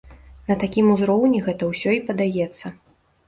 На такім узроўні гэта ўсё і падаецца.